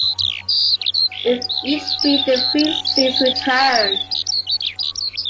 With each beat, the three scenes return.